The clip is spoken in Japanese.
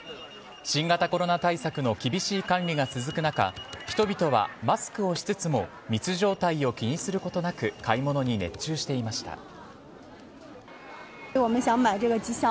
新型コロナ対策の厳しい管理が続く中人々はマスクをしつつも密状態を気にすることなく買い物に熱中していました。